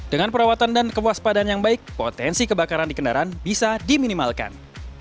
dengan perawatan dan kewaspadaan yang baik potensi kebakaran di kendaraan bisa diminimalkan